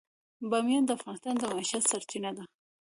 بامیان د افغانانو د معیشت سرچینه ده.